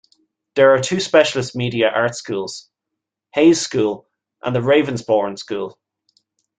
There are two specialist Media Arts Schools, Hayes School and The Ravensbourne School.